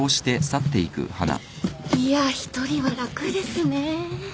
いや一人は楽ですね。